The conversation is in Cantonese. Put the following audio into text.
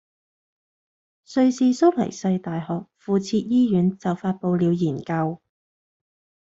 瑞士蘇黎世大學附設醫院就發佈了研究